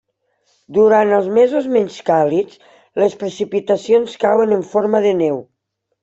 Durant els mesos menys càlids les precipitacions cauen en forma de neu.